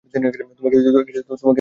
তোমাকে দেখতে অসাধারণ লাগছে!